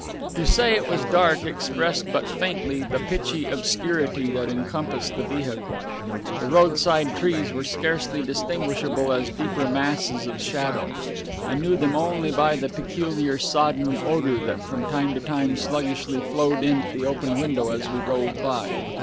To say it was dark expressed but faintly the pitchy obscurity that encompassed the vehicle. The roadside trees were scarcely distinguishable as deeper masses of shadow; I knew them only by the peculiar sodden odor that from time to time sluggishly flowed in at the open window as we rolled by.